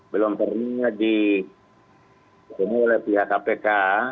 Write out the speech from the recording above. belum pernah ditemui oleh pihak kpk